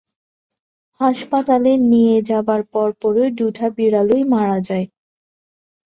হাসপাতালে নিয়ে যাবার পরপরই দুটা বিড়ালই মারা যায়।